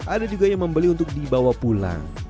ada juga yang membeli untuk dibawa pulang